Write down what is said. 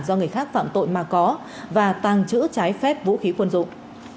do người khác phạm tội mà có và tàng trữ trái phép vũ khí quân dụng